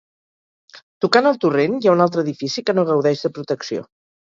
Tocant al torrent hi ha un altre edifici que no gaudeix de protecció.